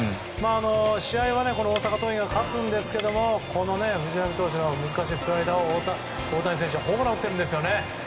試合は大阪桐蔭が勝つんですけど藤浪投手の難しいスライダーを大谷選手はホームランを打っているんですね。